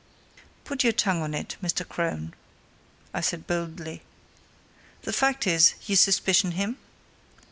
"Put your tongue to it, Mr. Crone," I said boldly. "The fact is, you suspicion him?"